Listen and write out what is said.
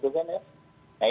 gitu kan ya